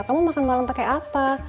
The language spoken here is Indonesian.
kamu makan malam pakai apa